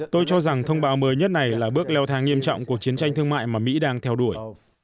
tôi cho rằng thông báo mới nhất này là bước leo thang nghiêm trọng cuộc chiến tranh thương mại mà mỹ đang theo đuổi